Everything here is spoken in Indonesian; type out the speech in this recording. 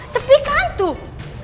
sepi kan tuh